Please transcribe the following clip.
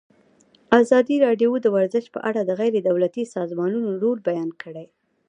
ازادي راډیو د ورزش په اړه د غیر دولتي سازمانونو رول بیان کړی.